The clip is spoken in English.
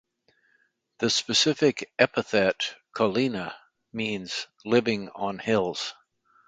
The specific epithet ("collina") means "living on hills".